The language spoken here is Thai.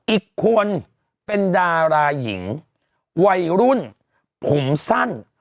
อีกคนเป็นดาราหญิงวัยรุ่นผมสั้น